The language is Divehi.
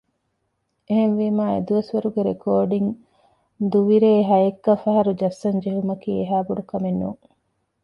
އެހެންވީމާ އެދުވަސްވަރުގެ ރެކޯޑިންގ ދުވި ރޭ ހަޔެއްކަފަހަރު ޖައްސަން ޖެހުމަކީ އެހާ ބޮޑުކަމެއް ނޫން